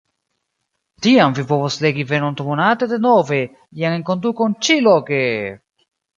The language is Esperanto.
Tiam vi povos legi venontmonate denove lian enkondukon ĉi-loke!